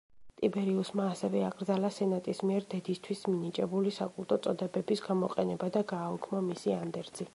ტიბერიუსმა ასევე აკრძალა სენატის მიერ დედისთვის მინიჭებული საკულტო წოდებების გამოყენება და გააუქმა მისი ანდერძი.